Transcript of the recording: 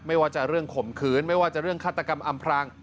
ไม่ว่าจะเรื่องข่มขืนไม่ว่าจะเรื่องฆาตกรรมอำพราง